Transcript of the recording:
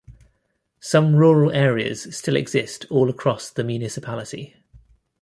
Some rural areas still exist all across the municipality.